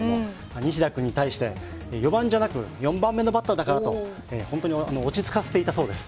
西田君に対して、４番じゃなく、４番目のバッターだからと落ちつかせていたそうです。